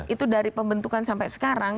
itu dari pembentukan sampai sekarang